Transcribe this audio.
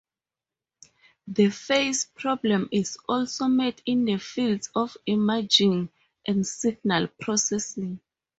The phase problem is also met in the fields of imaging and signal processing.